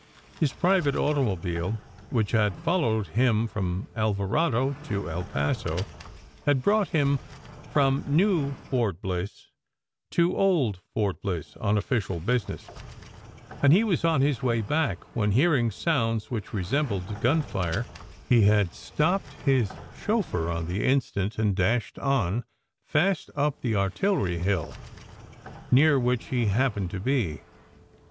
His private automobile, which had followed him from Alvarado to El Paso, had brought him from new Fort Bliss to old Fort Bliss on official business : and he was on his way back when, hearing sounds which resembled gunfire, he had stopped his chauffeur on the instant, and dashed on fast up the artillery hill, near which he happened to be.